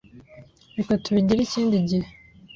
Reka tubigire ikindi gihe.